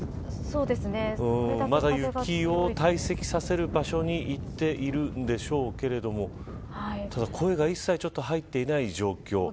まだ雪を堆積させる場所に行っているんでしょうけれどもただ声が一切入っていない状況。